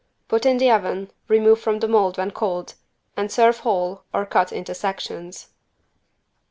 Put it in the oven, remove from the mold when cold and serve whole or cut into sections.